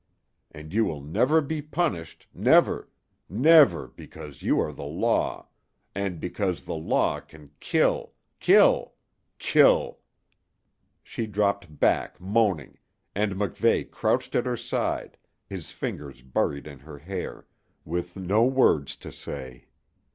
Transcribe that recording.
And you will never be punished never never because you are the Law and because the Law can kill kill kill " She dropped back, moaning, and MacVeigh crouched at her side, his fingers buried in her hair, with no words to say.